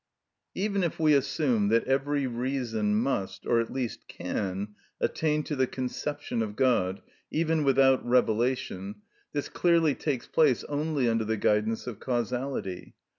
Even if we assume that every reason must, or at least can, attain to the conception of God, even without revelation, this clearly takes place only under the guidance of causality.